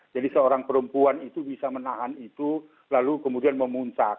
jadi seorang perempuan itu bisa menahan itu lalu kemudian memuncak